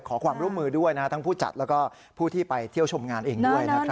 ขอความร่วมมือด้วยทั้งผู้จัดแล้วก็ผู้ที่ไปเที่ยวชมงานเองด้วยนะครับ